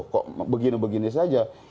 kok begini begini saja